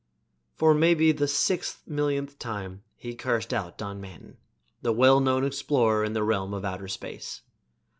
For maybe the six millionth time he cursed out Don Manton, the well known explorer in the realm of outer space.